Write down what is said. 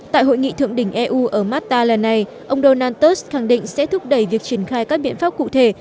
tại hội nghị thượng đỉnh eu ở matta lần này ông donald trump khẳng định sẽ thúc đẩy việc triển khai các biện pháp cụ thể